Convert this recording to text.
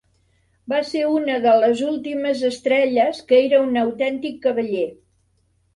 Va ser una de les últimes estrelles que era un autèntic cavaller.